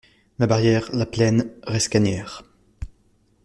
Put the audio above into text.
La Barrière, la Plaine, Rescanières...